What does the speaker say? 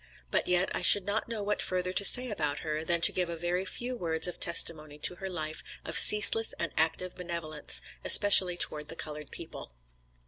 But, yet I should not know what further to say about her than to give a very few words of testimony to her life of ceaseless and active benevolence, especially toward the colored people.